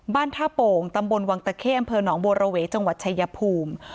บ้านท่าโป่งตำบลวังตะเข้อำเภอหนองบัวระเวจังหวัดชายภูมิ